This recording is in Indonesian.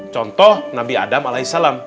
contoh nabi adam alai salam